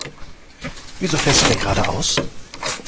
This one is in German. Wieso fährst du denn geradeaus?